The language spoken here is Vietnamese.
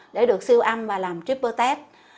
để được siêu âm và làm triple test